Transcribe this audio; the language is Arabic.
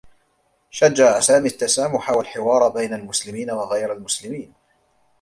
شجّع سامي التّسامح و الحوار بين المسلمين و غير المسلمين.